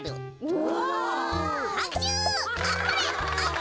お。